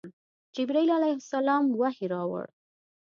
جبرائیل علیه السلام وحی راوړ.